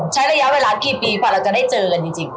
ใช้ระยะเวลากี่ปีกว่าเราจะได้เจอกันจริง